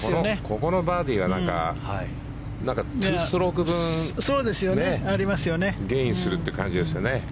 ここのバーディーは２ストローク分ゲインするという感じですね。